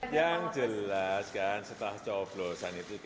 yang jelas kan setelah cowok cowok itu